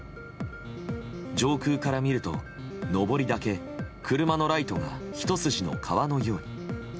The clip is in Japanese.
上空から見ると、上りだけ車のライトがひと筋の川のように。